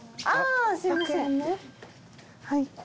はい。